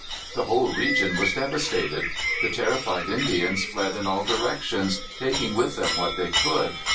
The whole region was devastated. The terrified Indians fled in all directions, taking with them what they could.